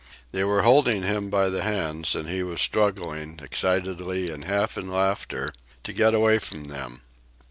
They were holding him by the hands, and he was struggling, excitedly and half in laughter, to get away from them.